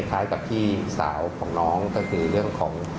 คล้ายกับพี่สาวของน้องก็คือเรื่องของ